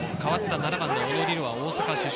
７番・小野理竜は大阪出身。